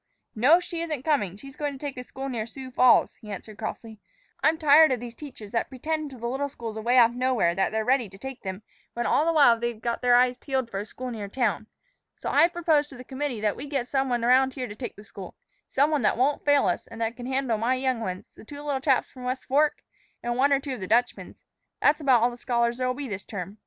"No, she isn't coming; she's going to take a school near Sioux Falls," he answered crossly. "I'm tired of these teachers that pretend to the little schools away off nowhere that they're ready to take them, when all the while they've got their eyes peeled for a school near town. So I've proposed to the committee that we get some one about here to take the school some one that won't fail us, and that can handle my young ones, the two little chaps from the West Fork, and one or two of the Dutchman's. That's about all the scholars there'll be this term.